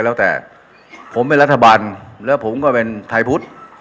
แล้วแต่ผมเป็นรัฐบาลแล้วผมก็เป็นไทยพุทธ